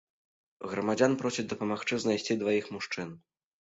Грамадзян просяць дапамагчы знайсці дваіх мужчын.